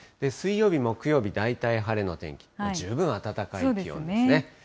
水曜日、木曜日、大体晴れの天気、十分暖かい気温ですね。